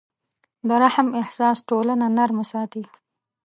د رحم احساس ټولنه نرمه ساتي.